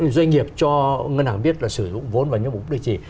doanh nghiệp cho ngân hàng biết là sử dụng vốn và những mục đích gì